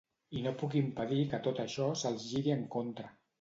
I no puc impedir que tot això se'ls giri en contra.